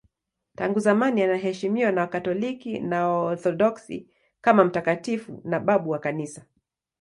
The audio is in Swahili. Tangu zamani anaheshimiwa na Wakatoliki na Waorthodoksi kama mtakatifu na babu wa Kanisa.